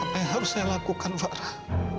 apa yang harus saya lakukan fakrah